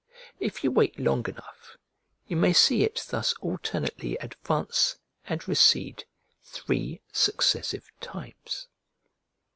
If you wait long enough, you may see it thus alternately advance and recede three successive times.